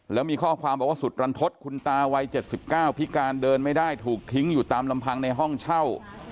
แล้วมีข้อความบอกว่าสุดรันทศคุณตาวัย๗๙พิการเดินไม่ได้ถูกทิ้งอยู่ตามลำพังในห้องเช่า